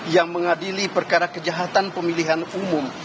yang mengadili perkara kejahatan pemilihan umum